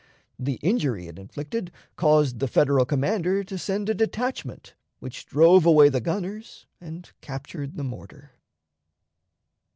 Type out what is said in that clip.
The injury it inflicted caused the Federal commander to send a detachment which drove away the gunners and captured the mortar.